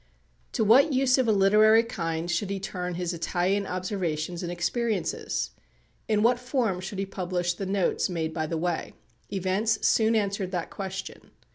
To what use of a literary kind should he turn his Italian observations and experiences? In what form should he publish the notes made by the way? Events soon answered that question.